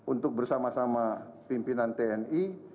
untuk bersama sama pimpinan tni